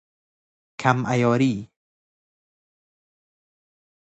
کم عیاری